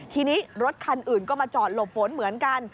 ทีนี้รถคันอื่นก็มาจอดหลบฝนเหมือนกัน